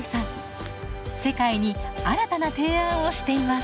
世界に新たな提案をしています。